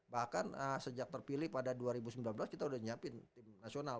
bahkan sejak terpilih pada dua ribu sembilan belas kita sudah nyiapin tim nasional